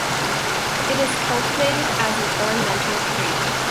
It is cultivated as an ornamental tree.